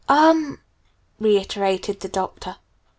"U m m," reiterated the Doctor.